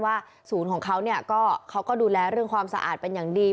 ศูนย์ของเขาเนี่ยเขาก็ดูแลเรื่องความสะอาดเป็นอย่างดี